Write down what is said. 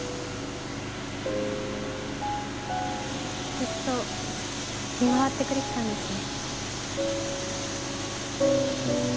ずっと見回ってくれてたんですね。